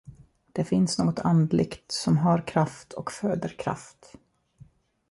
Det finns något andligt som har kraft och föder kraft.